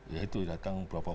ya itu datang beberapa orang